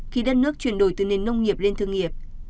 khi đất nước chuyển đổi từ nền nông nghiệp lên thương nghiệp